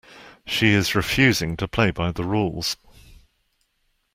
She is refusing to play by the rules.